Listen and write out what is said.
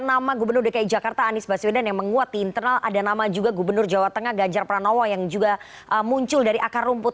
jadi kalau ada nama gubernur dki jakarta anies baswedan yang menguat di internal ada nama juga gubernur jawa tengah ganjar pranowo yang juga muncul dari akar rumput